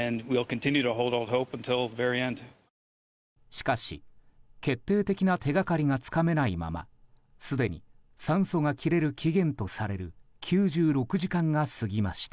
しかし、決定的な手掛かりがつかめないまますでに酸素が切れる期限とされる９６時間が過ぎました。